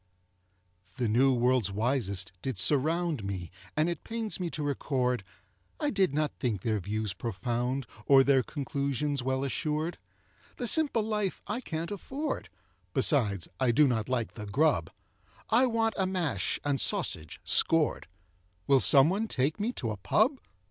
The new world's wisest did surround Me; and it pains me to record I did not think their views profound, Or their conclusions well assured; The simple life I can't afford, Besides, I do not like the grub I want a mash and sausage, `scored' Will someone take me to a pub?